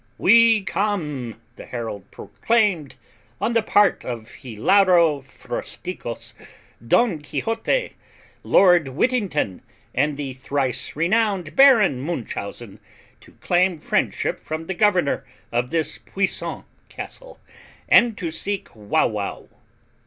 "We come," the herald proclaimed, "on the part of Hilaro Frosticos, Don Quixote, Lord Whittington, and the thrice renowned Baron Munchausen, to claim friendship from the governor of this puissant castle, and to seek Wauwau."